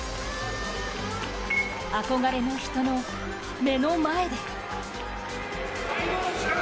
あこがれの人の目の前で。